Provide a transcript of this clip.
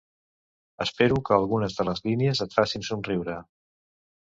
Espero que algunes de les línies et facin somriure.